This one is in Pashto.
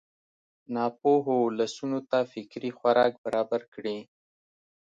ناپوهو ولسونو ته فکري خوراک برابر کړي.